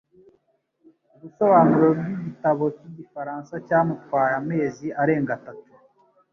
Ubusobanuro bwigitabo cyigifaransa cyamutwaye amezi arenga atatu.